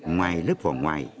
ngoài lớp vỏ ngoài